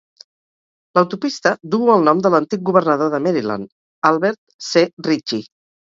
L'autopista duu el nom de l'antic governador de Maryland, Albert C. Ritchie.